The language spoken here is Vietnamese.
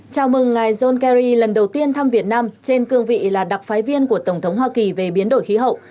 chào mừng ngài john kerry lần đầu tiên thăm việt nam trên cương vị là đặc phái viên của tổng thống hoa kỳ về biến đổi khí hậu